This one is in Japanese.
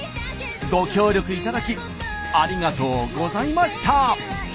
ご協力いただきありがとうございました。